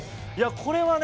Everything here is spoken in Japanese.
これはね